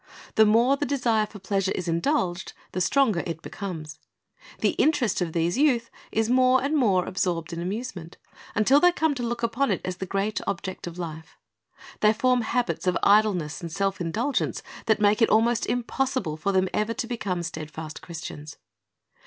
The more the desire for pleasure is indulged, the stronger it becomes. The interest of these youth is more and more absorbed in amusement, until they come to look upon it as the great object of life. They form habits of idleness and self indulgence that make it almost impossible for them ever to become steadfast Christians.